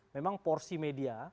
memang porsi media